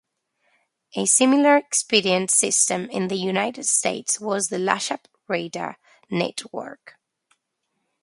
A similar expedient system in the United States was the Lashup Radar Network.